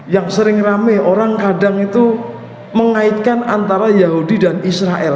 yang sering rame orang kadang itu mengaitkan antara yahudi dan israel